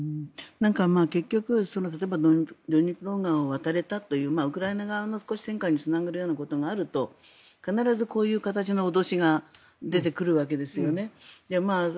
結局、例えばドニプロ川を渡れたというウクライナ側の戦果につながるようなことがあると必ずこういう形の脅しが出てくるわけですよね。